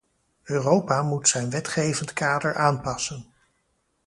Europa moet zijn wetgevend kader aanpassen.